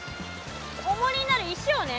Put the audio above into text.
おもりになる石をね